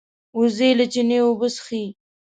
وزې له چینې اوبه څښي